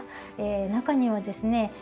中にはですね